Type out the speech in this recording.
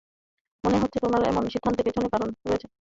মনে হচ্ছে তোমার এমন সিদ্ধান্তের পেছনে কারণ রয়েছে।